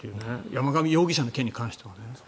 山上容疑者の件に関してはね。